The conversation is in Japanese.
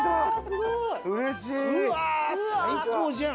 うわー！最高じゃん！